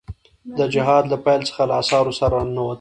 د جهاد له پيل څخه له اسعارو سره را ننوتل.